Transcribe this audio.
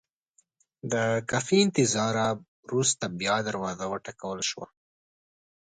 د کافي انتظاره بعد بیا دروازه وټکول شوه.